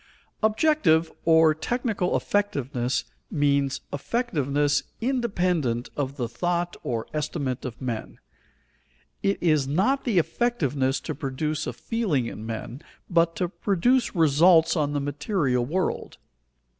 _ Objective or technical effectiveness means effectiveness independent of the thought or estimate of men. It is not the effectiveness to produce a feeling in men, but to produce results on the material world.